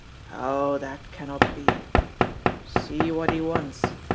"Oh, that cannot be! See what he wants!"